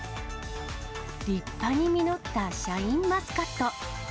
立派に実ったシャインマスカット。